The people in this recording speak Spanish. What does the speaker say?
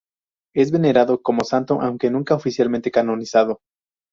Es venerado como santo, aunque nunca oficialmente canonizado.